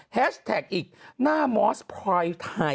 แฮชแท็กอีกหน้ามอสพรายไทย